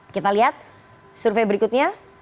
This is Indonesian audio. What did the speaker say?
kita lihat survei berikutnya